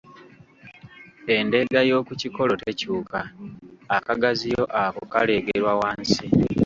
Endeega y’oku kikolo tekyuka, akagaziyo ako kaleegerwa wansi